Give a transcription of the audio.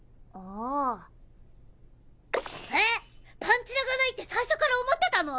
パンチラがないって最初から思ってたの！？